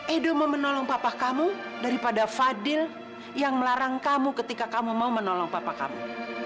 edomu menolong papa kamu daripada fadil yang melarang kamu ketika kamu mau menolong bapak kamu